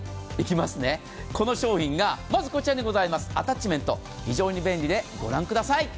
この商品が、まずこちらにございますアタッチメント、非常に便利で、御覧ください。